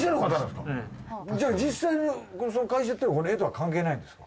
じゃあ実際この会社って絵とは関係ないんですか？